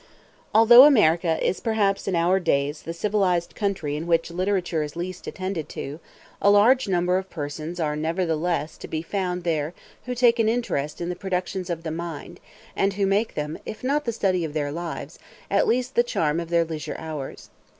Although America is perhaps in our days the civilized country in which literature is least attended to, a large number of persons are nevertheless to be found there who take an interest in the productions of the mind, and who make them, if not the study of their lives, at least the charm of their leisure hours.